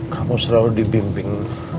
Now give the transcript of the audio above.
kamu selalu dibimbing